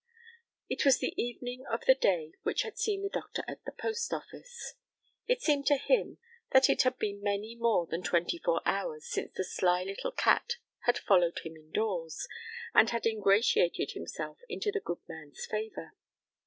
It was the evening of the day which had seen the doctor at the Post Office. It seemed to him that it had been many more than twenty four hours since the sly little cat had followed him indoors, and had ingratiated himself into the good man's favor.